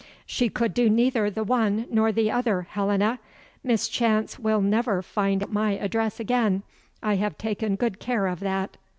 "She could do neither the one nor the other, Helena. Miss Chance will never find out my address again; I have taken good care of that."